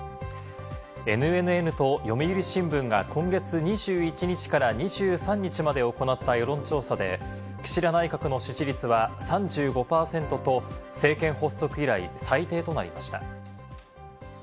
ＮＮＮと読売新聞が今月２１日から２３日まで行った世論調査で、岸田内閣の支持率は３５％と政権発足以来、最低となりました。